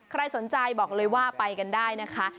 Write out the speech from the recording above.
ใครสนใจบอกเลยว่าไปกันได้นะคะ